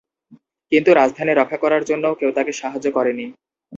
কিন্তু রাজধানী রক্ষা করার জন্যও কেউ তাকে সাহায্য করেনি।